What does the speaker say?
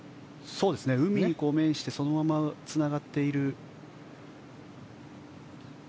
海に面してそのままつながっています。